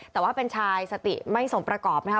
แต่ว่าเป็นชายสติไม่สมประกอบนะคะ